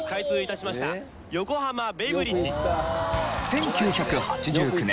１９８９年